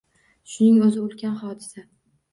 Shuning o‘zi ulkan hodisa.